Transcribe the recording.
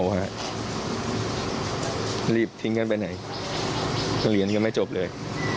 หนังลีบทิ้งกันไปไหนสังเหรียญก็ไม่จบเลย